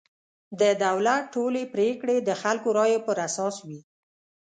د دولت ټولې پرېکړې د خلکو رایو پر اساس وي.